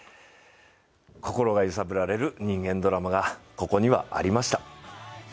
心が揺さぶられる人間ドラマがここには、ありました。